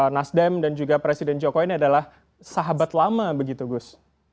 nasdem dan juga presiden jokowi ini adalah sahabat lama begitu gus